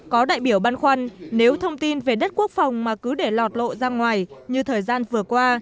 có đại biểu băn khoăn nếu thông tin về đất quốc phòng mà cứ để lọt lộ ra ngoài như thời gian vừa qua